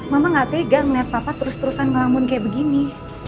mama gak tega ngeliat papa terus terusan ngamun kayak begini